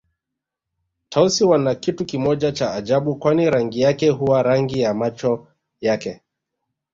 Tausi wana kitu kimoja cha ajabu kwani rangi yake huwa rangi ya macho yake